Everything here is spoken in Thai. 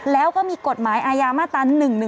แล้วก็มีกฎหมายอาญามาตรา๑๑๒